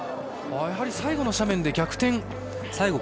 やはり最後の斜面で逆転ですか。